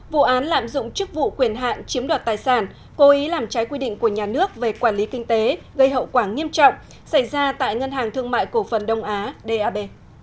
vụ án lạm dụng chức vụ quyền hạn chiếm đoạt tài sản cố ý làm trái quy định của nhà nước về quản lý kinh tế gây hậu quả nghiêm trọng xảy ra tại ngân hàng thương mại cổ phần đông á dab